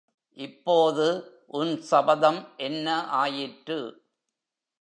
இப்போது உன் சபதம் என்ன ஆயிற்று?